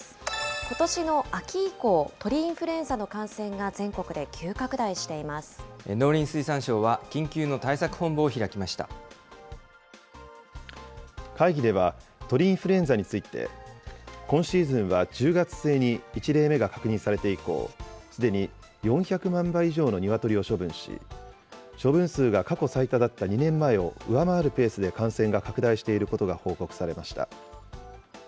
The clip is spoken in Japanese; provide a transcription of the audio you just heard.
ことしの秋以降、鳥インフルエンザの感染が全国で急拡大していま農林水産省は緊急の対策本部会議では、鳥インフルエンザについて、今シーズンは１０月末に１例目が確認されて以降、すでに４００万羽以上のニワトリを処分し、処分数が過去最多だった２年前を上回るペースで感染が拡大していることが報告されました。